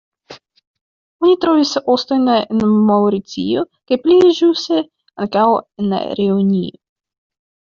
Oni trovis ostojn en Maŭricio kaj pli ĵuse ankaŭ en Reunio.